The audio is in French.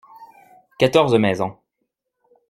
Quatorze maisons.